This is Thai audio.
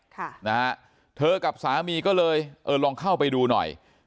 ค่ะนะฮะเธอกับสามีก็เลยเออลองเข้าไปดูหน่อย